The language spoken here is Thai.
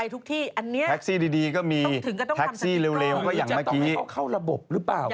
หรือจะต้องเข้าระบบหรือเปล่า